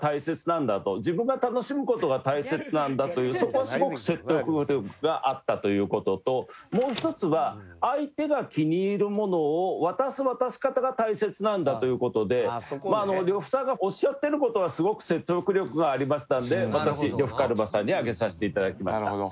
自分が楽しむ事が大切なんだというそこはすごく説得力があったという事ともう一つは相手が気に入るものを渡す渡し方が大切なんだという事で呂布さんがおっしゃってる事はすごく説得力がありましたので私呂布カルマさんに上げさせて頂きました。